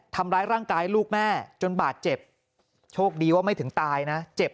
ทำร้ายร่างกายลูกแม่จนบาดเจ็บโชคดีว่าไม่ถึงตายนะเจ็บ